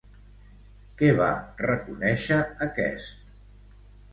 Què va reconèixer aquest?